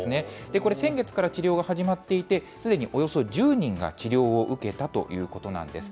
これ、先月から治療が始まっていて、すでにおよそ１０人が治療を受けたということなんです。